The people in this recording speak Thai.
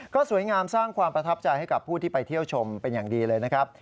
ก็สวยงามสร้างความประทับใจให้กับผู้ที่ไปเที่ยวชมเป็นอย่างดีเลยนะครับ